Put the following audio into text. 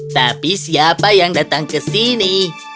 tapi siapa yang datang ke sini